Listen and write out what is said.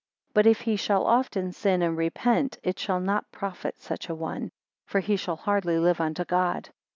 But if he shall often sin and repent, it shall not profit such a one; for he shall hardly live unto God.